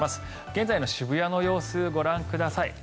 現在の渋谷の様子ご覧ください。